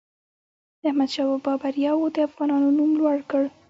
د احمدشاه بابا بریاوو د افغانانو نوم لوړ کړ.